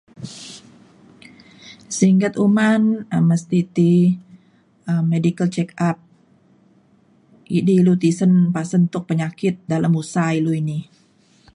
singget uman um mesti ti um medical checkup idi ilu tisen pasen tuk penyakit dalem usa ilu ini